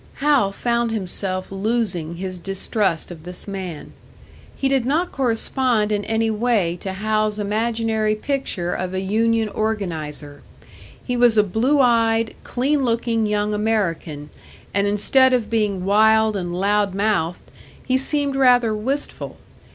Hal found himself losing his distrust of this man. He did not correspond in any way to Hal's imaginary picture of a union organiser; he was a blue eyed, clean looking young American, and instead of being wild and loud mouthed, he seemed rather wistful.